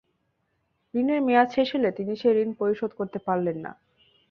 ঋণের মেয়াদ শেষ হলে তিনি সেই ঋণ পরিশোধ করতে পারলেন না।